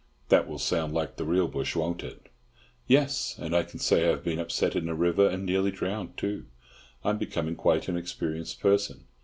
That will sound like the real bush, won't it?" "Yes. And I can say I have been upset in a river and nearly drowned, too. I'm becoming quite an experienced person.